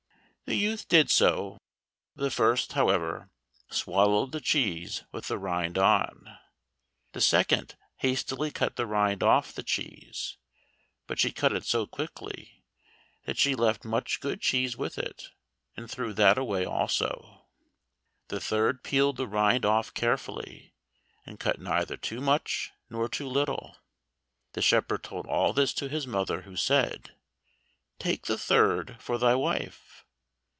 The youth did so; the first, however, swallowed the cheese with the rind on; the second hastily cut the rind off the cheese, but she cut it so quickly that she left much good cheese with it, and threw that away also; the third peeled the rind off carefully, and cut neither too much nor too little. The shepherd told all this to his mother, who said, "Take the third for thy wife."